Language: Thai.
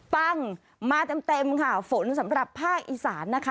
ปังมาเต็มเต็มค่ะฝนสำหรับภาคอีสานนะคะ